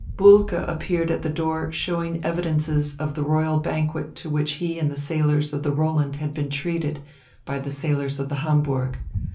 Bulke appeared at the door showing evidences of the royal banquet to which he and the sailors of the Roland had been treated by the sailors of the Hamburg.